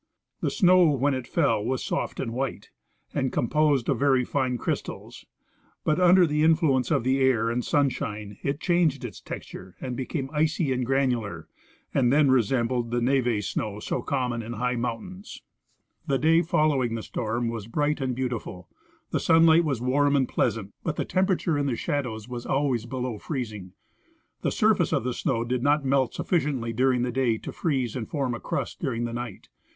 The snow when it fell was soft and white, and composed of very fine crystals ; but under the influence of the air and sunshine it changed its texture and became icy and granular, and then re sembled the neve snow so common in high mountains. A second Retreat. 157 The day foil OAving the storm Avas bright and beautiful; the sunlight was warm and pleasant, but the temperature in the shadows was always below freezing. The surface of the snow did not melt sufficiently during the day to freeze and form a crust during the night.